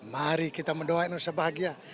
mari kita mendoa indonesia bahagia